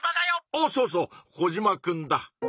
おおそうそうコジマくんだ。